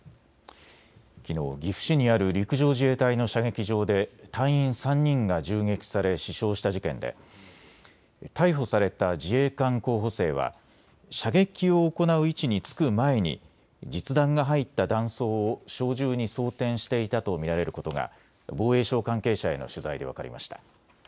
きのう岐阜市にある陸上自衛隊の射撃場で隊員３人が銃撃され死傷した事件で逮捕された自衛官候補生は射撃を行う位置につく前に実弾が入った弾倉を小銃に装填していたと見られることが防衛省関係者への取材で分かりました。